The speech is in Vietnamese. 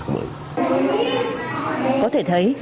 có thể thấy